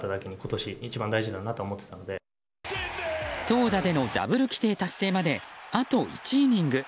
投打でのダブル規定達成まであと１イニング。